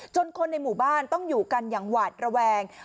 คนในหมู่บ้านต้องอยู่กันอย่างหวาดระแวง